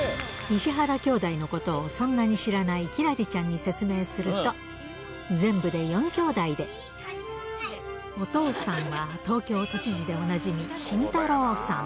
石原兄弟のことをそんなに知らない輝星ちゃんに説明すると、全部で４兄弟で、お父さんは東京都知事でおなじみ慎太郎さん。